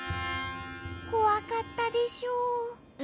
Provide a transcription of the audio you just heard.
こわかったでしょう。